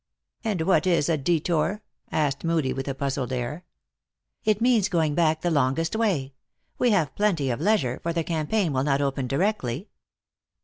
" And what is a detour ?" asked Moodie, with a puzzled air. " It means going back the longest way. We have plenty of leisure, for the campaign will not open di rectly."